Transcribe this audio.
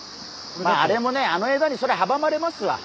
まああれもねあの枝にそりゃはばまれますわ。